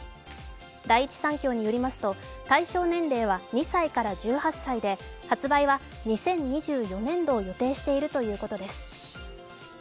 第一三共によりますと対象年齢は２歳から１８歳で発売は２０２４年度を予定しているということです。